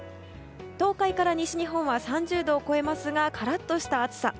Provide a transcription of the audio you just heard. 東海から西日本は３０度を超えますがカラッとした暑さ。